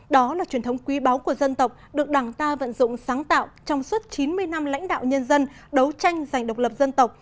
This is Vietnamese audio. đó là truyền thống quý báu của dân tộc được đảng ta vận dụng sáng tạo trong suốt chín mươi năm lãnh đạo nhân dân đấu tranh giành độc lập dân tộc